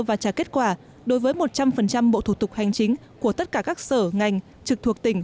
và trả kết quả đối với một trăm linh bộ thủ tục hành chính của tất cả các sở ngành trực thuộc tỉnh